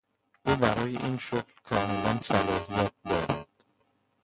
او برای این شغل کاملا صلاحیت دارد.